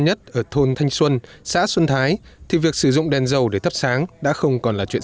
nhất ở thôn thanh xuân xã xuân thái thì việc sử dụng đèn dầu để thắp sáng đã không còn là chuyện